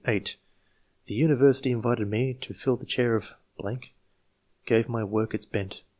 — (8) The university inviting me to fill the chair of ..., gave my work its bent.